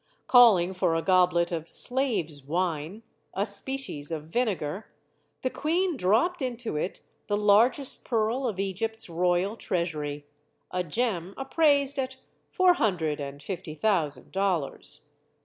Calling for a goblet of "slaves' wine" a species of vinegar the queen dropped into it the largest pearl of Egypt's royal treasury, a gem appraised at four hundred and fifty thousand dollars.